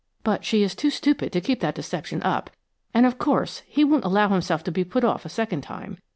But she is too stupid to keep that deception up, and, of course, he won't allow himself to be put off a second time.